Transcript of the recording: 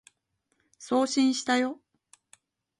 送信したよ